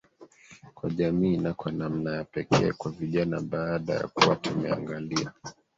kwa jamii na kwa namna ya pekee kwa vijana Baada ya kuwa tumeangalia